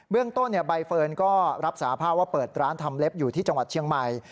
เรื่องต้นใบเฟิร์นก็รับสาภาพว่าเปิดร้านทำเล็บอยู่ที่จังหวัดเชียงใหม่